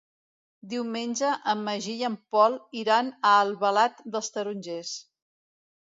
Diumenge en Magí i en Pol iran a Albalat dels Tarongers.